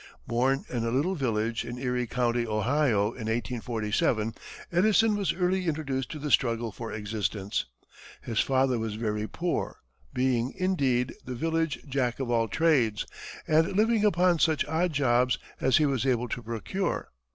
Born in a little village in Erie County, Ohio, in 1847, Edison was early introduced to the struggle for existence. His father was very poor, being, indeed, the village jack of all trades, and living upon such odd jobs as he was able to procure.